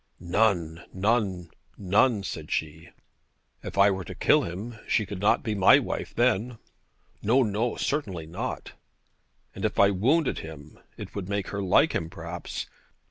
'None, none, none,' said she. 'If I were to kill him, she could not be my wife then.' 'No, no; certainly not.' 'And if I wounded him, it would make her like him perhaps.